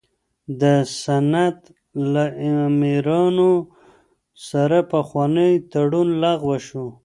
د سند له امیرانو سره پخوانی تړون لغوه شو.